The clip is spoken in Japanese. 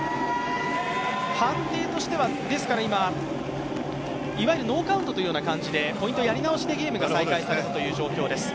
判定としてはノーカウントという感じで、ポイントやり直しでゲームが再開されたという状況です。